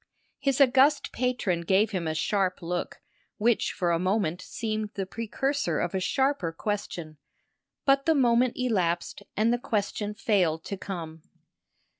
His august patron gave him a sharp look which for a moment seemed the precursor of a sharper question; but the moment elapsed and the question failed to come.